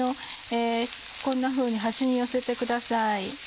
こんなふうに端に寄せてください。